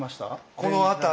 この辺り。